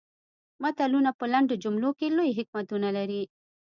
متلونه په لنډو جملو کې لوی حکمتونه لري